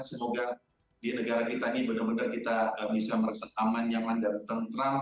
semoga di negara kita ini benar benar kita bisa merasa aman nyaman dan tentram